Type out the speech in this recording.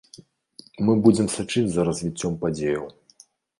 Мы будзем сачыць за развіццём падзеяў.